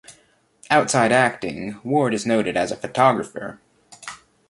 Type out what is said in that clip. Outside acting, Ward is noted as a photographer.